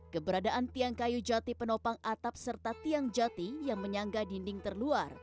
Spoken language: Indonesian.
keberadaan tiang kayu jati penopang atap serta tiang jati yang menyangga dinding terluar